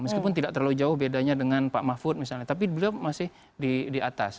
meskipun tidak terlalu jauh bedanya dengan pak mahfud misalnya tapi beliau masih di atas